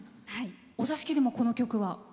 お座敷でも、この曲は。